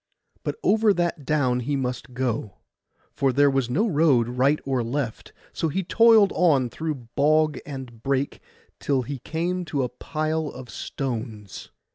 But over that down he must go, for there was no road right or left; so he toiled on through bog and brake, till he came to a pile of stones.